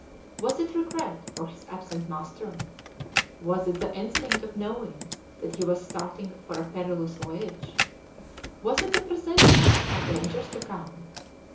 Was it regret for his absent master? Was it the instinct of knowing that he was starting for a perilous voyage? Was it a presentiment of dangers to come?